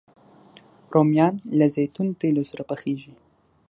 رومیان له زیتون تېلو سره پخېږي